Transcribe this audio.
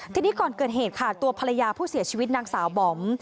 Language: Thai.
ทีนี้ก่อนเกิดเหตุค่ะตัวภรรยาผู้เสียชีวิตนางสาวบอม